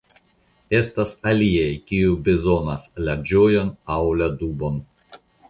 Estas aliaj, kiuj bezonas la ĝojon aŭ la dubon